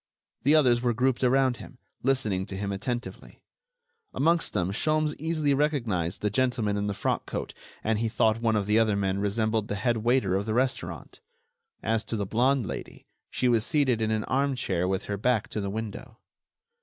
The others were grouped around him, listening to him attentively. Amongst them Sholmes easily recognized the gentleman in the frock coat and he thought one of the other men resembled the head waiter of the restaurant. As to the blonde Lady, she was seated in an armchair with her back to the window.